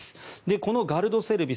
このガルドセルビス